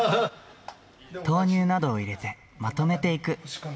豆乳などを入れて、まとめていく。